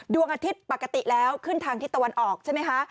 ดวงอาทิตย์ปกติแล้วขึ้นทางทิศตะวันออกใช่ไหมคะ